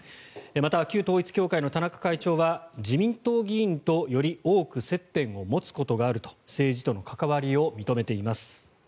また旧統一教会の田中会長は自民党議員とより多く接点を持つことがあると政治との関わりを認めています。